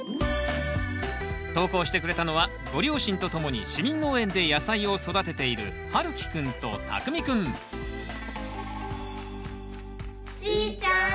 投稿してくれたのはご両親とともに市民農園で野菜を育てているはるきくんとたくみくんしーちゃん